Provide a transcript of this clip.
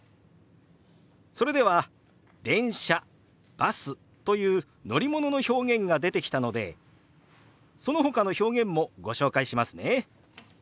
それでは「電車」「バス」という乗り物の表現が出てきたのでそのほかの表現もご紹介しますね。